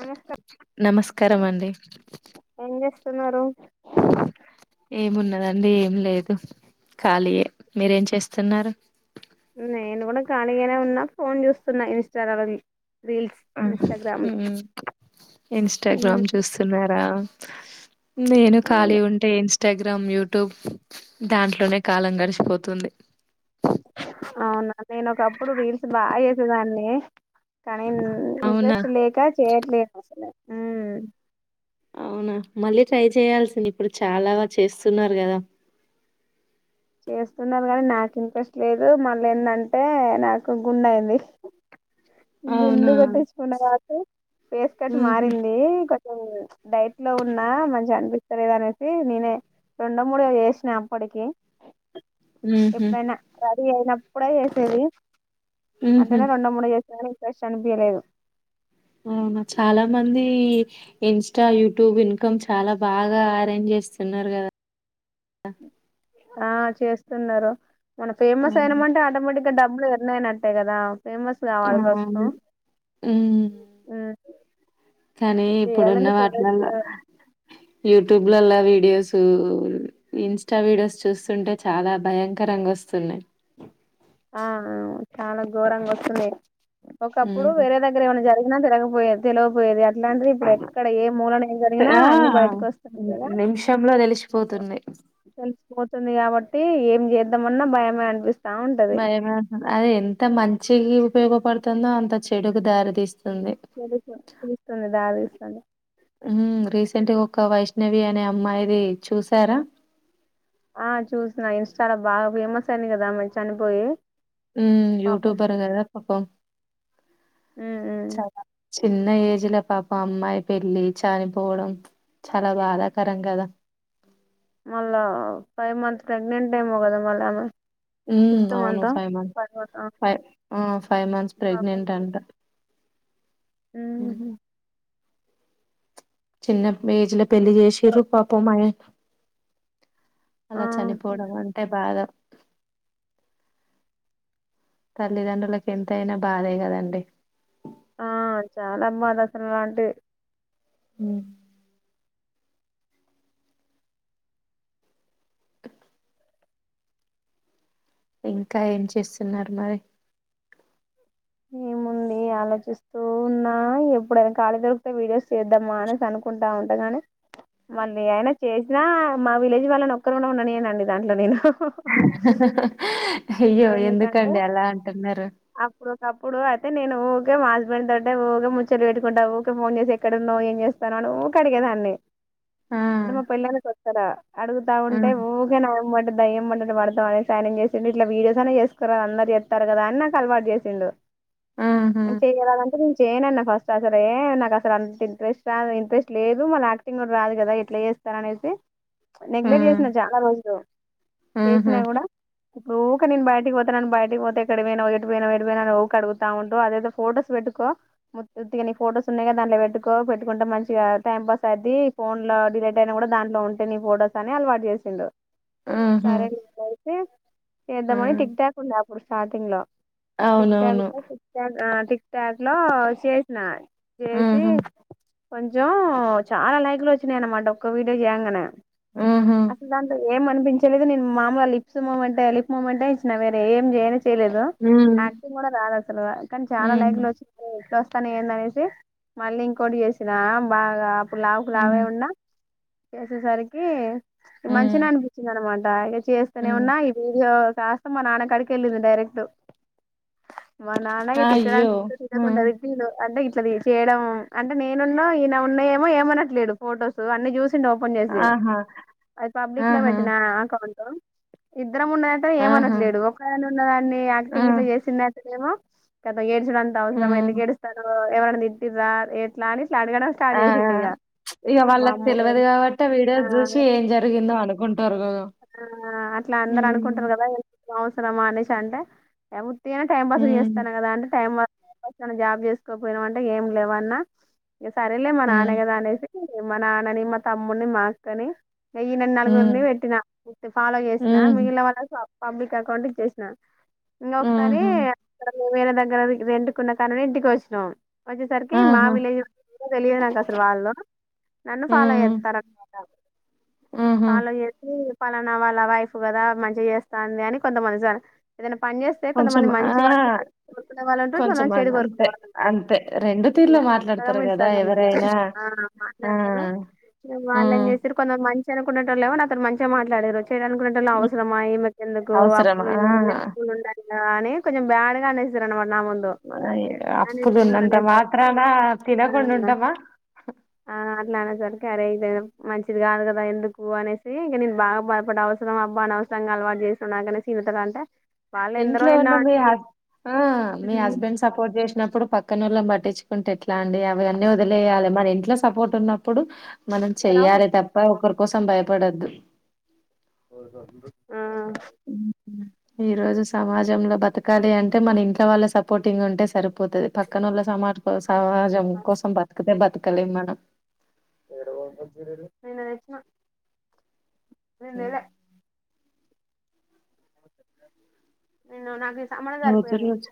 నమస్కారం నమస్కారం అండి ఏం చేస్తున్నారు ఏమున్నదండి ఏం లేదు ఖాలియే మీరేం చేస్తున్నారు. నేను కూడా కాలిగానే ఉన్నా ఫోన్ చూస్తున్నా ఇన్స్టాగ్రామ్ కి రీల్స్ హ్మ్ ఇన్స్టాగ్రామ్ చూస్తున్నారా నేను అవును ఖాళీ ఉంటే ఏమ్స్ ఇన్స్టాగ్రామ్, యూట్యూబ్ దాంట్లోనే కాలం గడిచిపోతుంది. అవును నేను ఒకప్పుడు రీల్స్ బాగా చేసేదాన్ని కానీ అవునా ఇంట్రెస్ట్ లేక చేయట్లేదు అసలు ఊమ్ అవునా మళ్ళీ ట్రై చేయల్సింది ఇప్పుడు చాలా చేస్తున్నారు కదా. చేస్తున్నారు కానీ నాకు ఇంట్రెస్ట్ లేదు. మళ్ళీ ఏందం టే నాకు గుండు అయింది. గుండు అవునా కొట్టించుకున్నారా ఐతే ఫేస్ కట్ ఊహు మారింది కొం అవును డైట్ లో ఉన్నా మస్త్ అనిపిస్ లేదనెసి నేనే రెండు మూడు చేసినా అప్పటికి ఎప్పుడైనా అయినప్పుడే చేసేది ఊహు అంటేనే రెండు మూడు చేస్ ఇంట్రెస్ట్ అనిపియలేదు. అవునా చాలా మంది ఇన్స్టా, యూట్యూబ్ ఇన్కమ్ చాలా బాగా అరేంజ్ చేస్తున్నారు కదా. అ ఆ చేస్తున్నారు మన ఫేమస్ అవును అయినమంటే ఆటోమేటిక్ డబ్బులు యర్న్ అయినట్టే కదా ఫేమస్ కావాలి ఆ ఫస్ట్ హుమ్ ఉమ్ కానీ ఇప్పుడున్న చేయాలంటే చేయవచ్చు వాట్లల్లో యూటూబ్ లల్లో వీడియోస్ ఇన్స్టా వీడియోస్ చూస్తుంటే చాలా భయంకరంగా వస్తున్నాయ్ ఆ చాలా ఘోరంగా వస్తున్నాయ్ ఒకప్పుడు హ్మ్. వేరే దగ్గర ఏమన్నా జరిగి న తెలవకపోయే తెలో పోయేది అట్లాంటిది ఇప్పుడు ఎక్కడ ఏ మూలానా ఏం జరిగినా ఆ! అన్ని బయటకి వస్తుంది హ్మ్. కదా నిమిషంలో తెలిసిపోతుంది. తెలిసిపోతుంది కాబట్టి ఐతే ఏం చేద్దామన్నా భయమే అనిపిస్తా ఉంటది అది ఎంత మంచికి ఉపయోగపడుతుందో అంత చెడుకు దారి తీస్తూంది చదువుకో పిలుస్తంది ఆవలిస్తంది ఒక్క వైష్ణవి అనే అమ్మాయిది చూసారా ఆ చూసిన ఇన్స్టాలో బాగా ఫేమస్ అయింది కదా ఆమె చనిపోయి హుమ్ పాపం యూట్యూబర్ గదా పాపం ఉమ్ ఉమ్ చిన్న ఏజ్ లా పాప అమ్మాయి పెళ్ళి చనిపోవడం చాలా బాదకారం కదా మళ్ళా ఫైవ్ మంత్ ప్రెగ్నెంట్ ఏమో కదా మళ్ళమే హుమ్ అవును ఫైవ్ మంత్స్ ఫైవ్ ఆ ఫైవ్ మంత్స్ ప్రెగ్నెంట్ అంట హుమ్ చిన్న ఏజీ లా పెళ్లి చేసిరు పాప మయెన ఆ అలా చనిపోవడం అంటే బాధ తల్లిదండ్రులకు ఎంత అయినా బాధే కదండి ఆ చాలా బాధాకరం ఆంటీ హుమ్ ఇంకా ఏం చేస్తున్నారు మరి ఏముంది ఆలోచిస్తూ ఉన్నా ఎప్పుడైనా ఖాళీ దొరుకితే వీడియోస్ చేద్దామా అనేసి అనుకుంటా ఉంటాగానీ మళ్ళీ అయినా చేసినా మా విలేజ్ వాళ్ళని ఒక్కరు కూడా ఉండనియ్యను అండి దాంట్లో నేను హుహు అయ్యో ఎందుకంటే ఎందుకండి అలా అంటున్నారు అప్పుడు ఒకప్పుడు అయితే నేను ఊకే మా హస్బెండ్ తో ఊకే ముచ్చట పెట్టుకుంటా ఊకే ఫోన్ చేసి ఎక్కడున్నావు ఏం చేస్తానవు అని ఊకే అడిగేదాన్ని ఆ అంటే మా పెళ్లి ఐన కొత్తల అడుగుతా ఆ ఉంటే ఊకే నో దయ్యం పట్టినట్టు పడతావ్ అనేసి ఆయనేం చేసిండు ఇట్లా వీడియోసన్న చేసుకోరాదు అందరు చేత్తారు కదా అని నాకు అలవాటు చేసిండు ఆహా చెయ్యారదంటే నేను చేయనన్న ఫస్ట్ అసలే ఏ నాకు అసలు అంత ఇంట్రెస్ట్ రా ఇంట్రెస్ట్ లేదు మళ్ళ యాక్టింగ్ కూడా రాదు కదా ఎట్లా చేస్తాను అనేసి ఆ నెగ్లెక్ట్ చేసిన చాలా రోజులు ఆహా చేసినా కూడా ఊకే నేను బయటికి పోతే నన్ బయటికి పోతే ఎక్కడికి పోయినవ్ ఎటు పోయినావు ఊక అడుగుతా ఉంటూ అదేదో ఫొటోస్ పెట్టుకో నీ ఫొటోస్ ఉన్నాయ్ దాంట్లో పెట్టుకో పెట్టుకుంటే మంచిగా టైం పాస్ అయిది ఫోన్ లో డిలేట్ అయిన కూడా దాంట్లో ఉంటే నీ ఫొటోస్ అని అలవాటు చేసిండు ఆహా సరే లే ఇట్లైతే ఆ చేద్దాం అని టిక్ టాక్ ఉంది అప్ స్టార్టింగ్ లో టిక్ టాక్ అవునవును ఆ టిక్ టిక్ టాక్ లో చేసినా చేసి ఆహా కొంచం చాలా లైక్లు వచ్చినయి అనమాట ఒక్క వీడియో చేయంగానే ఆహా అసలు అంత ఏం పించలేదు నేను మామూలు లిప్స్ మూమెంటే లిప్ మూమెంటె ఇచ్చిన వే ఏం చేయ చైలేదు ఉమ్ యాక్టింగ్ కూడా రాదు అసలు కానీ చాలా ఉమ్ లైక్లు ల వచ్చినై ఏంది అనేసి మళ్ళీ ఇంకోటి వేసినా బాగా ఉమ్ లావుకులావే ఉన్నా చేసేసరికి ఉమ్ మంచినే అనిపించింది అనమాట ఇక చేస్తూనే ఉమ్ ఉన్నా ఈ వీడియో చేస్తే మా నాన్నక్కడికి వెళ్ళింది డైరెక్ట్ మా నాన్న ఇగ అయ్యో తిట్టరాని తిట్టు తిట్టకుండా ఉమ్, తిట్టిండు చేయడం అంటే నేనున్నా ఈయన ఉన్నాయ ఏమో ఏమనట్లేడు ఫోటోస్ అన్ని చూసి ఓపెన్ చేసి ఆహా అది పబ్లిక్ లో ఆహా పెట్టిన అకౌంట్ ఇది ఇద్దరం ఉన్న ఆహా! ఏమనట్లేదు ఒక ఉన్న దాన్ని ఆ! యాక్టింగ్ ఇట్లా ఏమో పెద్దగే అంత అవసరమా ఎందుకు హ్మ్. ఏడుస్తున్నావ్ ఎవరైనా తిట్టిర్రా ఎట్లా అని ఇట్లా అడగడం స్టార్ట్ ఆ చేసిండు ఇగ ఇక వాళ్ళకు వామ్మో తెలియదు ఇదంతా కాబట్టి వీడియో చూసి ఏం జరిగిందో అనుకుంటారు గదా! ఆ అట్లా అందరు హ్మ్. అనుకుంటారు కదా అవసరమా అనూష అంటే అ టైం పాస్ హ్మ్. చేస్తాను కదా అని టైం జాబ్ చేసుకోపోయినామంటే ఏం లేవన్నా ఇక సరేలే మా నాన్న హ్మ్. కదా అనేసి మా నాన్నని మ తమ్ముడుని మా అక్కని నయ్యి నాలుగురుని హ్మ్. పెట్టిన ఫాలో చేసిన హ్మ్. మిగిలిల వాళ్ళ పబ్లిక్ అకౌంట్ ఇచ్చేసి నా ఇంగ ఒకసారి ఆహా! మేమనా దగ్గర వెంటుకున్న కాను ఇంటికి వచ్చినాం వచ్చేసరికి మా ఆహా! విలేజ్ తెలియదు నాకు అసలు వాళ్ళ నన్ను ఫాలో హ్మ్. చేస్తార అమా ఆహా! ఫాలో చేసి పలానా వాళ్ళ వైఫ్ కదా మంచిగా చేస్తది అని కొంతమంది చ ఏదైనా పని చేస్తే కొంచెం కొంతమంది ఆ! మంచి వాళ్ళు కోరుకునే వాళ్ళుంటరు కొంచెం కొంతమంది అన్ చెడు కోరుకునే అంతే. వాళ్ళుంటరు అంతే. ఇగ తీరులో అటు సగం మాట్లాడతారు ఇటు గదా! సగం మళ్ళ ఎవరైనా. ఆ! మాట్లాడతారు వాళ్ళు ఏం హ్మ్. చేసిరు కొందరు మంచి ఎనుకుండేటోలేమో నాతో మంచి తే మాట్లాడే రోజు తేడా అనుకునేటోలు హ్మ్. అవసరమా ఇమే కేందుకు అవసరమా? అప్పులు ఆ! ఇన్ని అప్పులు ఉండాలి కానీ కొంచెం బ్యాడ్ గా అనేసారు అన్నమాట నా ముందు అ అనేసిర్రు అప్పులున్నంత అనేసరికి మాత్రాన ఆ తినకుండా ఉంటమా సరే ఇదైనా మంచిది కాదు కదా ఎందుకు అనేసి ఇగ నేను బాగా బాధపడ్డ అవసరం అబ్బా అనవసరంగా అలవాటు చేస్తున్నా అంటే నేను సీతల అంటే వాళ్ళు ఎందరో ఇంట్లో ఎన్నో ఉన్న మీ అంటూ హస్ మీ హస్బెండ్ సపోర్ట్ చేసి ఉన్నప్పుడు పక్కనోళ్ళ ను పట్టిచూకుంటే ఎట్లా ఎలాండి అవి అన్నీ వదిలేయాలి మన ఇట్లా సపోర్ట్ ఉన్నప్పుడు మనం ఎంతనో చెయ్యాలి పెట్ తప్ప ఒకరు కోసం భయపడద్దు [unintelligible] ఉ ఈ రోజు సమాజంలో బతకాలి అంటే మన ఇంట్లో వాళ్ళ సపోర్టింగ్ ఉంటే సరిపోతది పక్కనోళ్ల సమా సమాజం కోసం బతికతే బతకలేం మనం ఏడ పోయి తెచ్చిర్రు నేనెతెచ్చిన నేన్ హ్మ్. తేలే నిన్న నాకిస్ అమ్మనె రోజు సరిపోయింది రోజు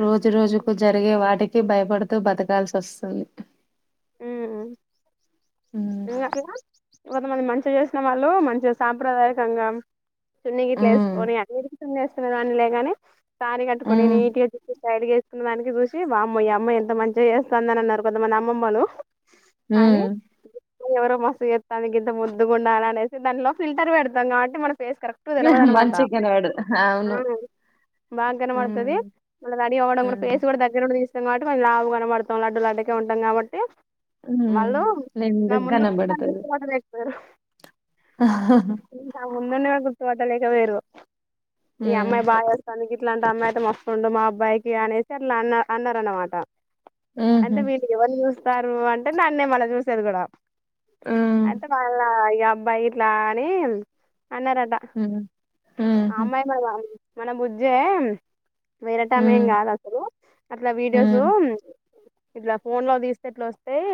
రోజు రోజుకు జరిగే వాటికి భయపడుతూ బతకాల్సి అస్తుంది ఉమ్ హ్మ్. లాల కొంత మంది మంచిగా చేసిన వాళ్ళు మంచిగా సాంప్రదాయకంగా చున్నీ గిట్ల హ్మ్. వేసుకొని అ చున్ని వేసుకున్నావ్ అనిలేగాని సారీ కట్టుకొని హ్మ్. నీట్ గా జుట్టు సైడ్ కేసు వేసుకున్న దానికి చూసి వామ్మో ఈ అమ్మాయి ఎంత మంచిగా చేస్తంది అని అన్నారు కొంత మంది అమ్మమ్మలు కానీ ఉమ్ ఎవరో మస్తుగ ఎత్తాంది గింత ముద్దుగున్న అనేసి దాంట్లో ఫిల్టర్ పెడతాం కాబట్టి మనం ఫేస్ కరెక్ట్ తెల్వదన్నమాట మంచి కునోడు ఆ అవును. బాగా కనవడతది హ్మ్. మల్ల రెడీ అవడం కూడా హ్మ్. ఫేస్ కూడా దగ్గర నుండి తీస్తే కొంచెం లావు కనబడుతాం లడ్డు లడ్డు ఉంటాం కాబట్టి హ్మ్. వాళ్ళు నా లెందుకు ముందు కూర్చోడానికి ఇష్టపడలేక పోయారు ఆ హా హా ముందున్నే గుర్తుపట్టలేక పోయిండ్రు ఈ అమ్మాయి హ్మ్. బాగాస్తానికి ఇట్లాంటి అమ్మాయితే మస్తుండు మా అబ్బాయికి అనేసి అట్లా అన్న అన్నారన్నమాట హుహు. అంటే మీరు ఎవర్ని చూసి వస్తారు అంటే నన్నే మళ్ళా చూసేది కూడా హ్మ్. అంటే వాళ్ళ ఇగా బోట్ల అనీ ఉమ్ అన్నారట హ్మ్. హుహు. హ్మ్. అమ్మాయి మనకు కావాలి అని మన బుజ్జే వేరటమే ఏం హ్మ్. కాదు అసలు అట్లా వీడియోస్ హ్మ్. ఇట్లా ఫోన్ లో తీసు ఇట్లా వస్తేయి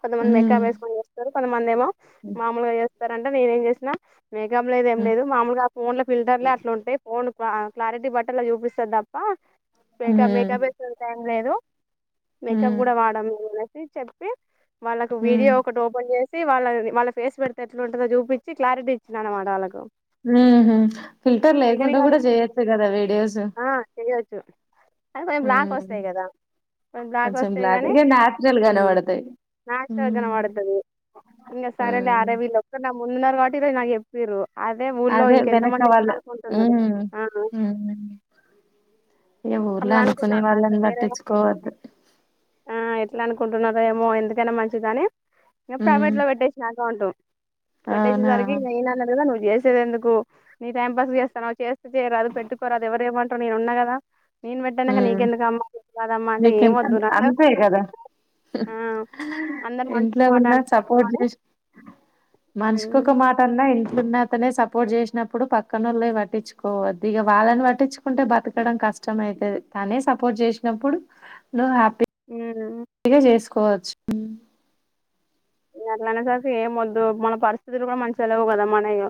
కొంత మంది మెకాబ్ హ్మ్. వేసుకొని వస్తారు కొంతమందిఏమో మాములుగాయ స్తారంటే నేనే ఏం చేసినా మేకప్ లేదు ఏం లేదు మామూలుగా ఆ ఫోన్ లో ఫిల్టర్లే అట్లుంటాయి ఫోన్ వ క్లారిటీ బట్టలు అవి చూపిస్తాది దప హ్మ్. మేకప్ వేసేంత టైం లేదు మేకప్ హ్మ్. కూడా వాడంలే తులసి చెప్పి వాళ్ళకి వీడియో హ్మ్. ఒకటి ఓపెన్ చే సి వాళ్ళ వాళ్ళ ఫేస్ పెడితే ఎట్లుంటదో చూపించి క్లారిటీ ఇచ్చిన అన్నమాట వాళ్లకు హ్మ్ హ్మ్ ఫిల్టర్ లేకుండా కూడా వాళ్ళకి చేయొచ్చు కదా వీడియోస్ చు అది బ్లాక్ హ్మ్. వస్తాయి కదా కొంచెం బ్లాక్ వస్తే గానీ ఇగ నేచురల్ హ్మ్ గనబడతాయి. నాక్ సోక్ హ్మ్. కనపడుతది ఇంక సరేలే హ్మ్. అడ విలోక్కరు నా ముందర పడిండ్రు నాకు చెప్పిండ్రు ర అదే వెనకవాళ్ళు హ్మ్ ఆ ఇ ఊర్లో అట్లా అనుకున్నా అనుకునే అదే వాళ్ళని వేరే పట్టించుకోవద్దు ఇలా అనుకుంటున్నారేమో ఎందుకైనా మంచిదని ఏం ప్రైవేట్ హ్మ్. లో పెట్టేషినా అకౌంటు అవునా! పెట్టేసేసరికి ఇంగ ఇనన్ననిరరు చేసేదెందుకు నీ టైం పాస్కి చేస్తాన్నావ్ చేస్తే చేయరాదు పెట్టుకోరాదు ఎవరేమంట్రు నేనున్నా కదా నేను పెట్టానంక ఉమ్ నీకెందుకు అమ్మా నీకు కాదమ్మా అంటే ఏం మీకెంత వద్దు నాకు అంతే కదా ఆ అందరు మనిషికో ఇంట్లో మాట ఉన్నా అనుకోవద్దు సపోర్ట్ అని చేసి మనిషికి ఒక ఉమ్ మాట అన్నా ఇం ప్పున్న అతనే సపోర్ట్ చేసినప్పుడు పక్కనోళ్ళె పట్టించుకోవద్దు ఇక వాళ్ళని పట్టించుకుంటే బతకడం కష్టమై తది తానే సపోర్ట్ చేసినప్పుడు నువ్ హ్యా ఉమ్ ఇగా జేస్ కోచ్ ఇంగట్ల అనే సరికి ఏమొద్దు మన పరిస్థితులు కూడా మంచిగలేవ్ కదా మన ఇగ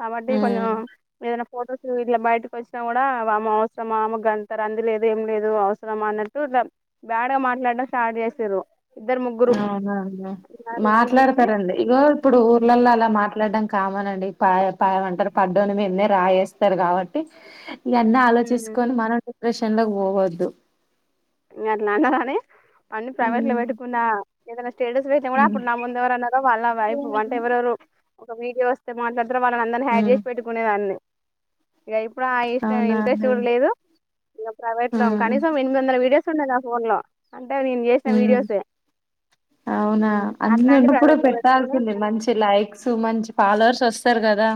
కాబట్టి కొంచెం హ్మ్ ఏదన్న ఫోటోస్ ఇట్ల బయటి వచ్చినా కూడా ఆమె అవసరమ్ ఆమె గంటరాంది లేదు ఏం లేదు అవసరమా అన్నట్టు ఇట్ల బ్యాడ్ గా మాట్లాడం స్టార్ట్ చేసిర్రు ఇద్దరు ముగ్గురు అవునులే [unintelligible] నాకు అనిపించి మాట్లాడతారండి ఇగో ఇప్పుడు ఊర్లల్లో అలా మాట్లాడత డం కామనండి పాయ పామంటారు పడ్డోని మీన్నే రాయేస్తరు కాబట్టి ఇగన్నీ ఇంగ ఆలోచించుస్కొని మనం డిప్ ప్రెషన్లోకి పోవద్దు మీ అట్లన్న రాని అన్ని ప్రైవేట్ లో హ్మ్ పెట్టుకున్నా ఏదైనా స్టేటస్ పెట్ట్నా కూడా అప్పుడు నా ముందు ఎవరన్నారో వాళ్ళనవైపు అంటే హ్మ్ ఎవరెవరు వీడియో వస్తే మాట్లాడ్ తరు వాళ్ళనందరిని హ్యాడ్ ఉమ్ చేసి పెట్టుకునే దాన్ని ఇగ ఇప్పుడు ఇష్ట్ అవునా ఇంట్రెస్ట్ అండి కూడ లేదు ఇక ప్రైవేట్ లో ఉమ్ కనీసం ఎనిమిది వందల వీడియో సున్నేదాఫోన్ లో అంటే నేను చేసిన ఉమ్ వీడియోసే ఔనా ఉమ్, అన్ని అట్లాంటి ఉన్నప్పుడు ప్రైవేట్ లో పెట్టుకొని పెట్టాల్సింది మంచి లైక్స్ మంచి ఫాలోవర్స్ వొ తర్ కదా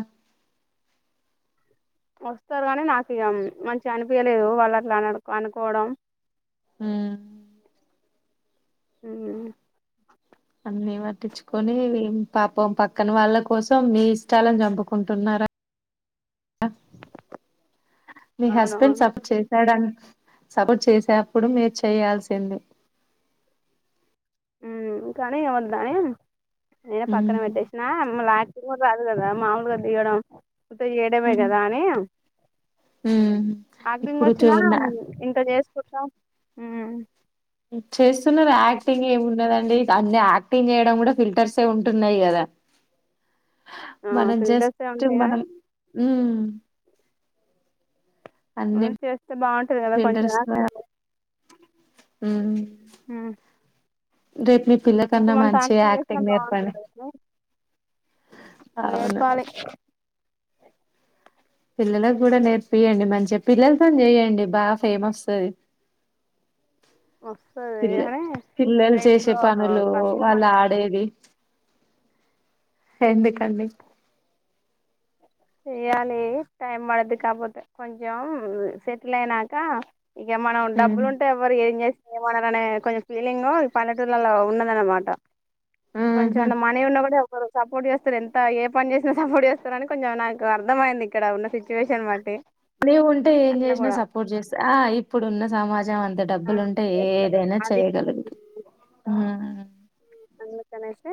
వస్తరు గాని నాకిగ మంచిగ అనిపయ్యలేదు వాళ్ళట్లా అనడు అనుకోవడం ఉమ్ ఉమ్ అన్ని పట్టించుకొనీ పాపం పక్కన వాళ్ళ కోసం మీ ఇష్టాలని చంపుకుంటున్నారా మీ హస్బెండ్ అవునవును సప్ చేశాడన్ సపోర్ట్ చేసే అప్పుడు మీరు చేయాల్సింది ఉమ్ కానీ ఇగ వద్దని నేనే ఉమ్ పక్కన పెట్టేషిన మ్ లాక్ [unintelligible] రాదు కదా మాములుగా దిగడం ఉత్తగా చేయడమే ఉమ్ కదా అని ఉమ్ యాక్టింగ్ ఇప్పుడు చూ వచ్చినా ఇంకా చేస్ [inaudible] హ్ చేస్తున్నరు యాక్టింగ్ ఏమున్నదండి అన్ని యాక్టింగ్ చేయడం కూడా ఫిల్టర్సె ఉంటున్నయి కదా. మనం ఫిల్టర్స్ జస్ట్ ఉంటాయి కానీ మనం ఉ హ్ చేస్తే బావుంటది కదా కొంచెం యాక్షను ఉ హు రే కొంచెంమంత యాక్టింగ్ చేసినా బావుంటుంది [inaudible] అవును నేర్చుకోవాలి. పిల్లలకి కూడా నేర్పియండి మంచిగా, పిల్లలతోని చేయండి బాఫేమ్ వస్తది. వస్తది పిల్ల అని ఇక పిల్లలు చేసే ఇప్పుడు పనులు కష్టం వాళ్ళు అనిపిస్తుంది ఆడేది. ఎందుకండి. చేయాలి టైం పడతది కాపోతే కొంచెం సెటిల్ అయినాక ఇగ మనం ఉమ్ డబ్బులు ఉంటే ఎవ్వరు ఏం చే ఏమనరనే కొంచెం ఫీలింగు ఈ పల్లెటూర్లళ్లల ఉన్నదన్నమాట. కొంచెం ఆహా అన్నా మనీ ఉన్న కూడా ఎవ్వరు సపోర్ట్ చేస్తరు ఎంత ఏ పని చేసినా సపోర్ట్ చేస్తారని కొంచెం నా కు అర్థమైంది ఇక్కడ ఉన్న సిచ్ నీ ఉంటే ఏం చేసినా కూడా సపోర్ట్ చేస్తా ఆ ఇప్పుడున్న సమాజం అంతే డబ్బు ఆ డబ్బులుంటే చేస్తారు ఏదైనా అది చేయగలుగుతం. అందుకనేసి